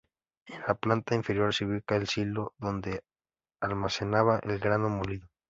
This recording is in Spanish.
En la planta inferior, se ubica el silo, donde se almacenaba el grano molido.